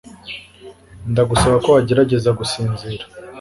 Ndagusaba ko wagerageza gusinzira